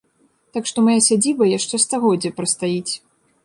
Так што мая сядзіба яшчэ стагоддзе прастаіць.